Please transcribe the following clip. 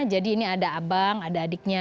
jadi ini ada abang ada adiknya